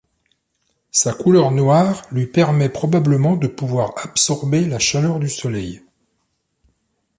Sa couleur noire lui permet probablement de pouvoir absorber la chaleur du soleil.